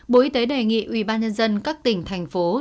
bộ y tế đề nghị ubnd các tỉnh thành phố